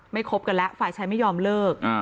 คบกันแล้วฝ่ายชายไม่ยอมเลิก